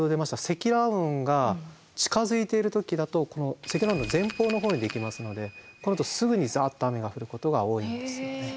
積乱雲が近づいている時だと積乱雲の前方のほうにできますのでこのあとすぐにザッと雨が降ることが多いんです。